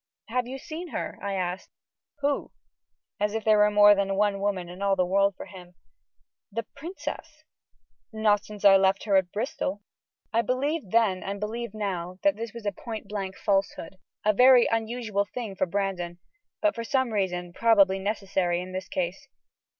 "Have you seen her?" I asked. "Who?" As if there were more than one woman in all the world for him. "The princess." "Not since I left her at Bristol." I believed then, and believe now, that this was a point blank falsehood a very unusual thing for Brandon but for some reason probably necessary in this case.